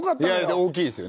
大きいですよね。